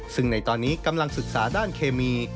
ซึ่งในตอนนี้กำลังศึกษาด้านเคมี